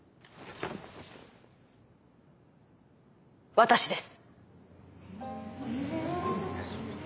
私です。